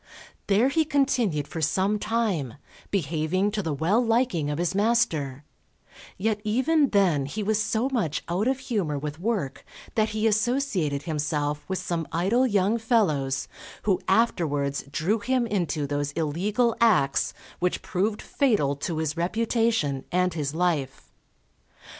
There he continued for some time, behaving to the well liking of his master; yet even then he was so much out of humour with work that he associated himself with some idle young fellows who afterwards drew him into those illegal acts which proved fatal to his reputation and his life.